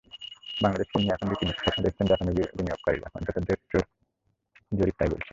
বাংলাদেশকে নিয়ে এখন রীতিমতো স্বপ্ন দেখছেন জাপানি বিনিয়োগকারীরা, অন্তত জেট্রোর জরিপ তা-ই বলছে।